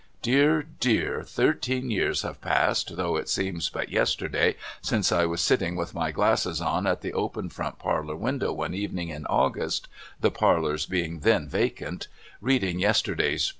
Dear dear, thirteen years have passed though it seems but yesterday since I was sitting with my glasses on at the open front parlour window one evening in August (the parlours being then vacant) reading yesterday's 332 MRS.